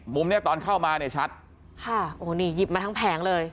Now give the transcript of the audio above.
มุมเนี้ยตอนเข้ามาเนี่ยชัดค่ะโอ้นี่หยิบมาทั้งแผงเลย